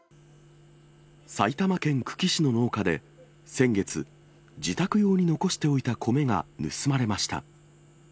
埼玉県久喜市の農家で、先月、自宅用に残しておいた米が盗まれました。